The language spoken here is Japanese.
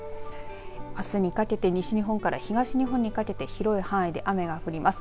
あすにかけて西日本から東日本にかけて広い範囲で雨が降ります。